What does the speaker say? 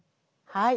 はい。